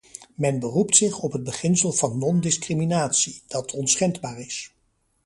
Men beroept zich op het beginsel van non-discriminatie, dat onschendbaar is.